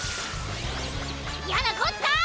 やなこった！